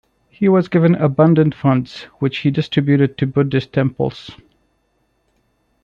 He was given abundant funds, which he distributed to Buddhist temples.